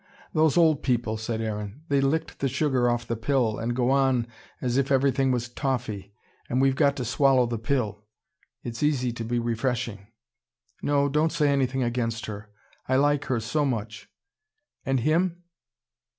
"Those old people," said Aaron. "They licked the sugar off the pill, and go on as if everything was toffee. And we've got to swallow the pill. It's easy to be refreshing " "No, don't say anything against her. I like her so much." "And him?"